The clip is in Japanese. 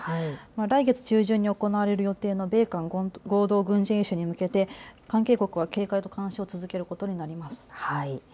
来月中旬に行われる予定の米韓合同軍事演習に向けて関係国は警戒と監視を続けることになります。